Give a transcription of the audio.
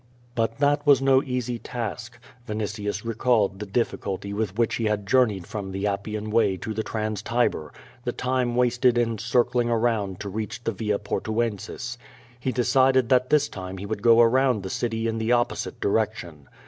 . But that was no easy task. Vinitius recalled the difficulty with which he had journeyed from the Appian Way to the Trans Tiber, the time wasted in circling around to reach the Via Portuensis. He decided that this time he would go around the city in the opposite direction.